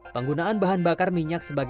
penggunaan bahan bakar minyak sebagai